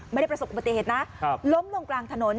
ไม่ได้ประสบอุบัติเหตุนะล้มลงกลางถนน